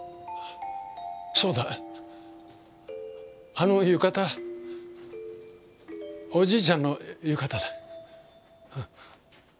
あの浴衣おじいちゃんの浴衣だ。